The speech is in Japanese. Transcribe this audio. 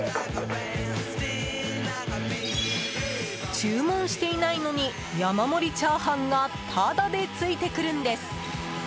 注文していないのに山盛りチャーハンがタダでついてくるんです。